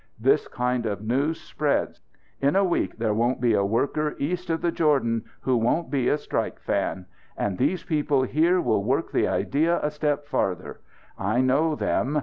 This kind of news spreads. In a week there won't be a worker east of the Jordan who won't be a strike fan. And these people here will work the idea a step farther. I know them.